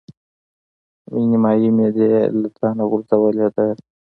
مې نيمایي معده له تنه غورځولې ده.